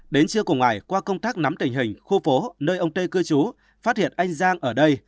đến trưa cùng ngày qua công tác nắm tình hình khu phố nơi ông tê cư trú phát hiện anh giang ở đây